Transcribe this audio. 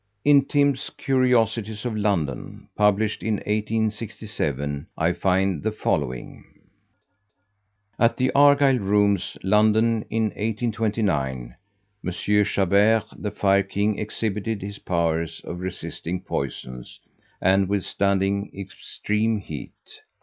In Timbs' Curiosities of London, published in 1867, I find the following: At the Argyle Rooms, London, in 1829, Mons. Chabert, the Fire King, exhibited his powers of resisting poisons, and withstanding extreme heat.